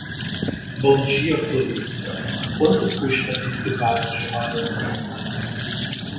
Bom dia florista. Quanto custa esse vaso de rosas brancas?